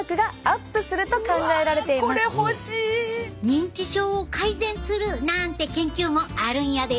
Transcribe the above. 認知症を改善するなんて研究もあるんやで。